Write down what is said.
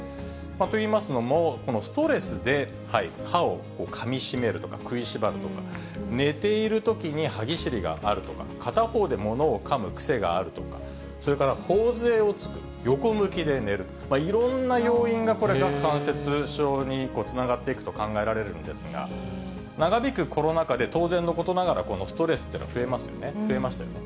といいますのも、このストレスで歯をかみしめるとか食いしばるとか、寝ているときに歯ぎしりがあるとか、片方でものをかむ癖があるとか、それからほおづえをつく、横向きで寝る、いろんな要因がこれ、顎関節症につながっていくと考えられるんですが、長引くコロナ禍で当然のことながら、このストレスというのは増えますよね、増えましたよね。